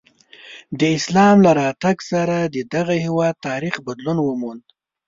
د اسلام له راتګ سره د دغه هېواد تاریخ بدلون وموند.